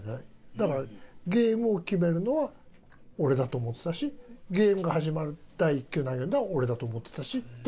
だからゲームを決めるのは俺だと思ってたしゲームが始まる第１球を投げるのは俺だと思ってたしっていう。